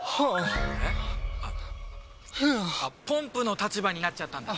ポンプの立場になっちゃったんだ。